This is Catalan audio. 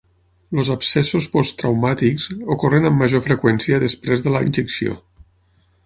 Els abscessos posttraumàtics ocorren amb major freqüència després de la injecció.